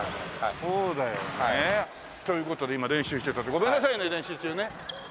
そうだよね。という事で今練習してたとこごめんなさいね練習中ね。